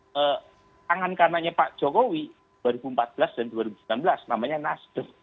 tangan kanannya pak jokowi dua ribu empat belas dan dua ribu sembilan belas namanya nasdem